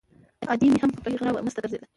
ادې مې هم په پټي غره وه، مسته ګرځېده.